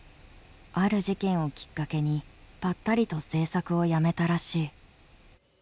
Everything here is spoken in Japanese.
ある事件をきっかけにぱったりと製作をやめたらしい。